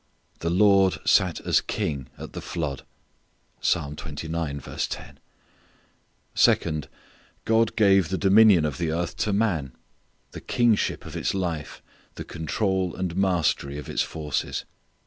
The Lord sat as King at the flood. Second: God gave the dominion of the earth to man. The kingship of its life, the control and mastery of its forces.